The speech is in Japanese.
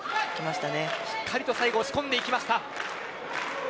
しっかりと押し込んできました。